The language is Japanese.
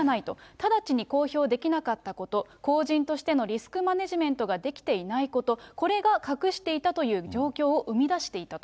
直ちに公表できなかったこと、公人としてのリスクマネジメントができていないこと、これが隠していたという状況を生み出していたと。